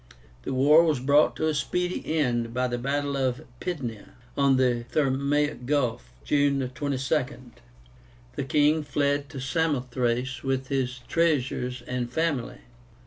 The war was brought to a speedy end by the battle of PYDNA, on the Thermáic Gulf, June 22. The king fled to Samothráce with his treasures and family.